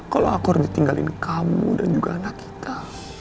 kalau aku harus ditinggalin kamu dan juga anak kita